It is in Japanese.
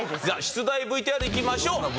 じゃあ出題ＶＴＲいきましょう。